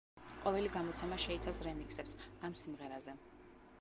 ყოველი გამოცემა შეიცავს რემიქსებს ამ სიმღერაზე.